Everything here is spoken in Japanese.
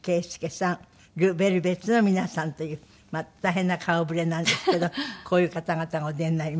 ＬＥＶＥＬＶＥＴＳの皆さんという大変な顔触れなんですけどこういう方々がお出になります。